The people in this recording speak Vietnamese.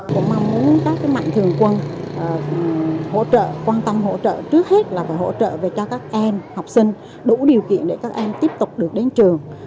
cũng mong muốn các mạnh thường quân quan tâm hỗ trợ trước hết là hỗ trợ cho các em học sinh đủ điều kiện để các em tiếp tục được đến trường